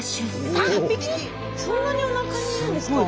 そんなにおなかにいるんですか？